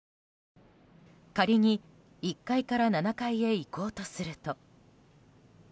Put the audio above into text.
仮に、１階から７階へ行こうとすると。